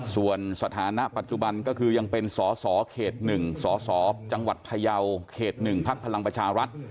ส่วนสถานะปัจจุบันก็คือยังเป็นศข๑ศจพเยาข๑พพร